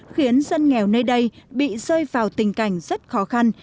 khiến dân nghèo nơi đây bị rơi vào tình cảnh rất khó khăn